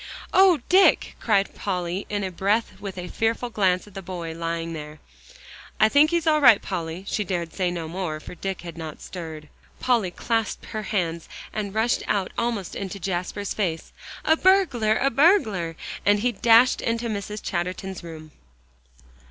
"Oh, Dick!" cried Polly in a breath, with a fearful glance at the boy lying there. "I think he's all right, Polly." She dared say no more, for Dick had not stirred. Polly clasped her hands, and rushed out almost into Jasper's face. "A burglar a burglar!" and he dashed into Mrs. Chatterton's room.